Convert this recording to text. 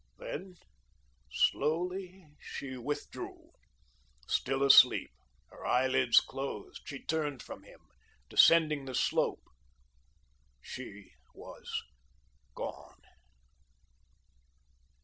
Then, slowly she withdrew. Still asleep, her eyelids closed, she turned from him, descending the slope. She was gone.